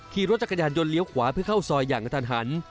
กำลังจักรยานยนต์เลี้ยวขวาเพื่อเข้าซอยอย่างตันหัน